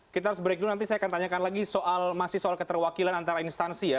kita harus break dulu nanti saya akan tanyakan lagi soal masih soal keterwakilan antara instansi ya